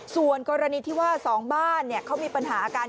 ส่วนกรณีที่ว่า๒บ้านเขามีปัญหากัน